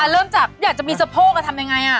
เริ่มจากอยากจะมีสะโพกทำยังไง